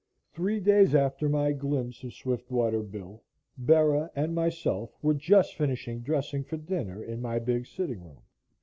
Three days after my glimpse of Swiftwater Bill, Bera and myself were just finishing dressing for dinner in my big sitting room.